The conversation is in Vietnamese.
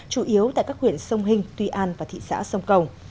chủ yếu tại các huyện sông hình tuy an và thị xã sông cầu